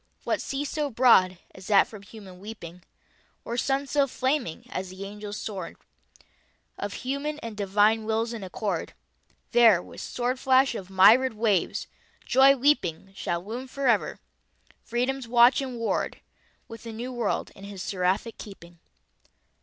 What sea so broad, as that from Human weeping? Or Sun so flaming, as the Angel's sword Of Human and Devine Wills in accord? There, with sword flash of myriad waves, joy leaping, Shall loom forever, Freedom's watch and ward, With the New World in his Seraphic keeping.